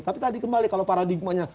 tapi tadi kembali kalau paradigmanya